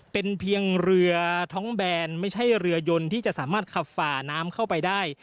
เป็นเพียงเรือท้องแบนไม่ใช่เรือยนที่จะสามารถขับฝ่าน้ำเข้าไปได้